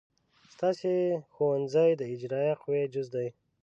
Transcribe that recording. ستاسې ښوونځی د اجرائیه قوې جز دی.